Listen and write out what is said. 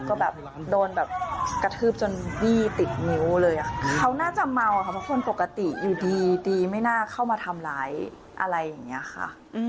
ก็แบบโดนแบบกระทืบจนบี้ติดนิ้วเลยค่ะเขาน่าจะเมาค่ะเพราะคนปกติอยู่ดีดีไม่น่าเข้ามาทำร้ายอะไรอย่างนี้ค่ะ